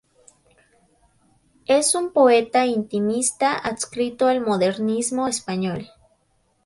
Es un poeta intimista adscrito al Modernismo español.